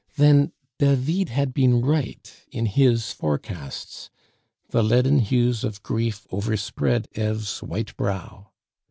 Then David had been right in his forecasts! The leaden hues of grief overspread Eve's white brow.